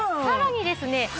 さらにですね